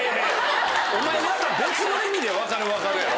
お前また別の意味で分かる分かるやろ？